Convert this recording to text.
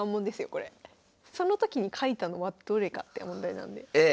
その時に書いたのはどれかって問題なので。